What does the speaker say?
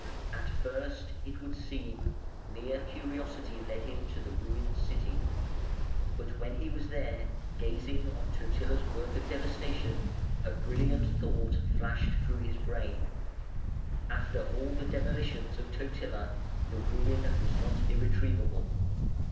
At first, it would seem, mere curiosity led him to the ruined City, but when he was there, gazing on Totila's work of devastation, a brilliant thought flashed through his brain. After all the demolitions of Totila, the ruin was not irretrievable.